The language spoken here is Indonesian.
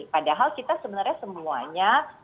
padahal kita sebenarnya semuanya